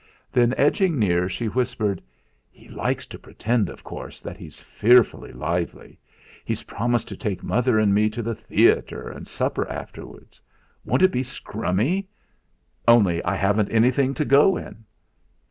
Then edging near, she whispered: "He likes to pretend, of course, that he's fearfully lively. He's promised to take mother and me to the theatre and supper afterwards. Won't it be scrummy! Only, I haven't anything to go in."